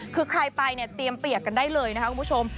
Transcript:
คือใครไปเนี่ยเตรียมเปียกกันได้เลยนะคะคุณผู้ชม